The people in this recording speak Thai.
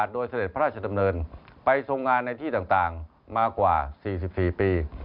โดยเสด็จพระราชดำเนินไปทรงงานในที่ต่างมากว่า๔๔ปี